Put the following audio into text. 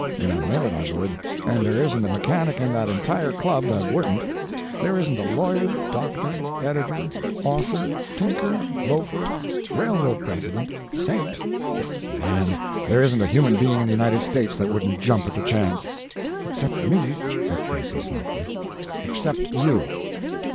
In a minute I would. And there isn't a mechanic in that entire club that wouldn't. There isn't a lawyer, doctor, editor, author, tinker, loafer, railroad president, saint—land, there isn't a human being in the United States that wouldn't jump at the chance!" "Except me," said Tracy softly. "Except you!"